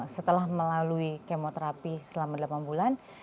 setelah melalui kemoterapi selama delapan bulan